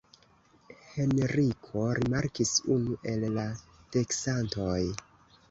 Henriko rimarkis unu el la teksantoj.